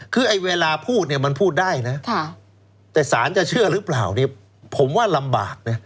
คือไอ้เวลาพูดเนี่ยมันพูดได้นะแต่สารจะเชื่อหรือเปล่าเนี่ยผมว่าลำบากนะ